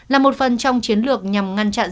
là một phần trong chiến lược nhằm ngăn chặn